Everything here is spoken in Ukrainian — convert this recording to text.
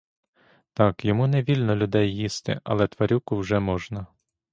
Так йому не вільно людей їсти, але тварюку вже можна.